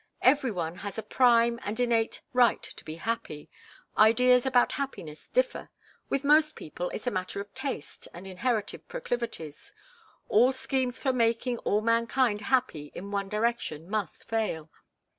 Every one has a prime and innate right to be happy. Ideas about happiness differ. With most people it's a matter of taste and inherited proclivities. All schemes for making all mankind happy in one direction must fail.